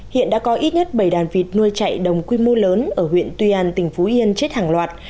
hiện đã có ít nhất bảy đàn vịt nuôi chạy đồng quy mô lớn ở huyện tuy an tỉnh phú yên chết hàng loạt